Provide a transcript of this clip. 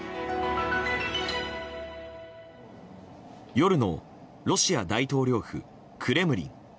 夜のロシア大統領府クレムリン。